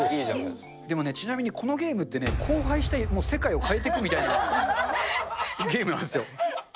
でもね、ちなみにこのゲームってね、荒廃した世界を変えていくみたいなゲームなんすよ。